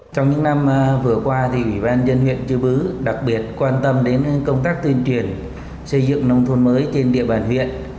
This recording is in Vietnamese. trong những năm vừa qua ủy ban dân huyện chư bứ đặc biệt quan tâm đến công tác tuyên truyền xây dựng nông thôn mới trên địa bàn huyện